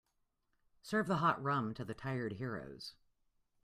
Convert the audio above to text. Serve the hot rum to the tired heroes.